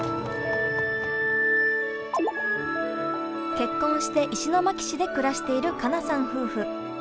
結婚して石巻市で暮らしている加菜さん夫婦。